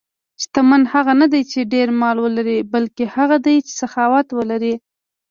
شتمن هغه نه دی چې ډېر مال ولري، بلکې هغه دی چې سخاوت لري.